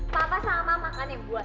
papa sama mama kan yang buat